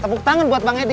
tepuk tangan buat bang edi